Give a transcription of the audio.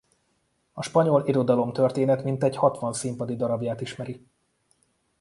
A spanyol irodalomtörténet mintegy hatvan színpadi darabját ismeri.